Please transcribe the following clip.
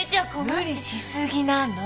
無理し過ぎなの！